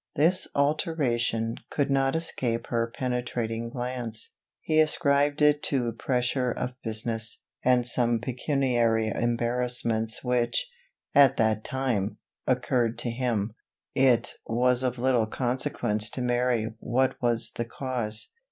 This alteration could not escape her penetrating glance. He ascribed it to pressure of business, and some pecuniary embarrassments which, at that time, occurred to him; it was of little consequence to Mary what was the cause.